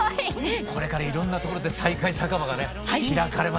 これからいろんな所で「再会酒場」がね開かれますね。